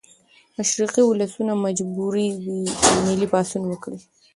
مشرقي ولسونه مجبوري دي چې ملي پاڅون وکړي.